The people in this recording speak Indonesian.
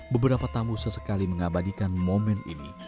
beberapa tamu sesekali mengabadikan momen ini